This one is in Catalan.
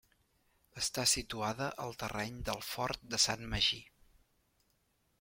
Està situada al terreny del Fort de Sant Magí.